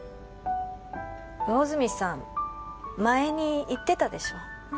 魚住さん前に言ってたでしょ